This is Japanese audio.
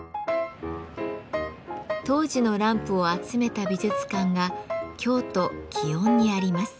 当時のランプを集めた美術館が京都・園にあります。